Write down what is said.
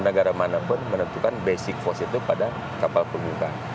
bagaimana pun menentukan basic force itu pada kapal permukaan